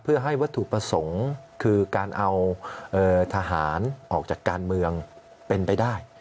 เพื่อให้วัตถุประสงค์คือการเอาทหารออกจากการเมืองเป็นไปได้